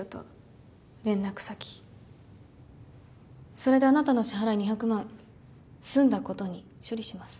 それであなたの支払い２００万済んだことに処理します。